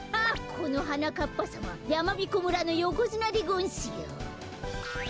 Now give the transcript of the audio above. このはなかっぱさまやまびこ村のよこづなでごんすよ。